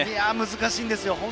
難しいんですよ。